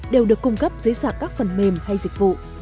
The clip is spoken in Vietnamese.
đều được cung cấp dưới sạc các phần mềm hay dịch vụ